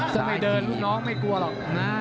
ถ้าไม่เดินลูกน้องไม่กลัวหรอกนะ